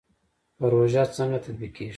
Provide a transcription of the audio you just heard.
پروژه څنګه تطبیقیږي؟